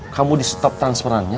kamu di stop transferannya